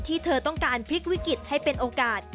เธอต้องการพลิกวิกฤตให้เป็นโอกาส